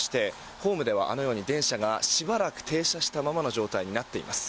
ホームでは、あのように電車がしばらく停車したままの状態になっています。